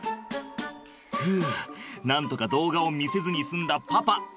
ふうなんとか動画を見せずに済んだパパ。